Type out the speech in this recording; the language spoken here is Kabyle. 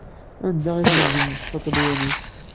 Anda i tlemdem taṭelyanit?